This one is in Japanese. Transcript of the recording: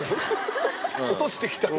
落としてきたんだ。